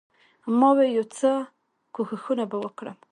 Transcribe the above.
ما وې يو څه کښښونه به وکړم.